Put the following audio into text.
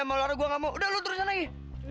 sama laura gua ga mau udah lu terusin lagi